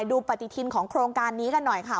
ดูปฏิทินของโครงการนี้กันหน่อยค่ะ